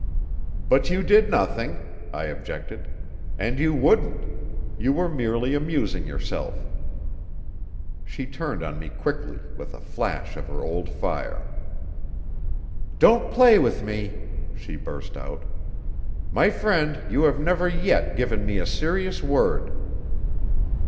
"But you did nothing," I objected. "And you wouldn't. You were merely amusing yourself." She turned on me quickly with a flash of her old fire. "Don't play with me!" she burst out. "My friend, you have never yet given me a serious word."